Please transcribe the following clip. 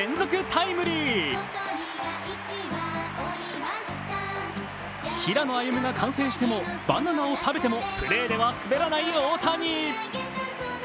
タイムリー平野歩夢が観戦しても、バナナを食べてもプレーでは滑らない大谷。